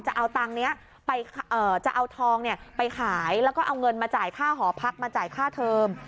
จะเอาทองไปขายแล้วก็เอาเงินมาจ่ายค่าหอพักมาจ่ายค่าเทิม